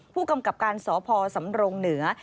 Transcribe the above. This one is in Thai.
ผู้กำกับการสพสำรงเหนือ